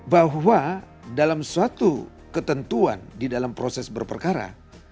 bahwa dalam suatu ketentuan di dalam proses berperkara